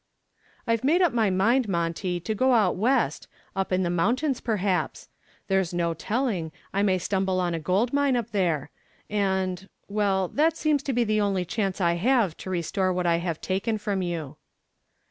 "I've made up my mind, Monty, to go out west, up in the mountains perhaps. There's no telling, I may stumble on a gold mine up there and well, that seems to be the only chance I have to restore what I have taken from you."